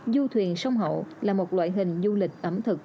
du thuyền sông hậu là một loại hình du lịch ẩm thực